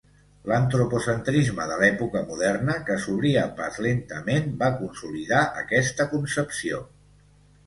L'antropocentrisme de l'època moderna, que s'obria pas lentament, va consolidar aquesta concepció.